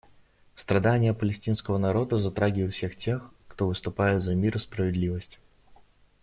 Страдания палестинского народа затрагивают всех тех, кто выступает за мир и справедливость.